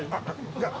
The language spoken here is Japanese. じゃあ。